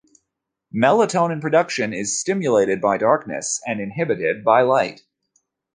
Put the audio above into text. Melatonin production is stimulated by darkness and inhibited by light.